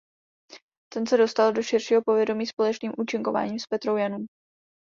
Ten se dostal do širšího povědomí společným účinkováním s Petrou Janů.